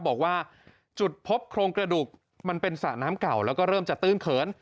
บอกว่าจุดพบโครงกระดูกมันเป็นสระน้ำเก่าแล้วก็เริ่มจะตื้นเขิน